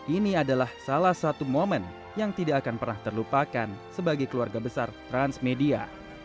ini adalah salah satu momen yang tidak akan pernah terlupakan sebagai keluarga besar transmedia